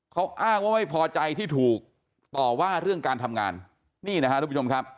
เขาอ้างว่าไม่พอใจที่ถูกต่อว่าเรื่องการทำงานนี่นะครับทุกผู้ชมครับ